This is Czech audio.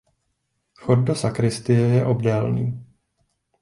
Vchod do sakristie je obdélný.